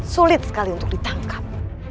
sulit sekali untuk ditangkap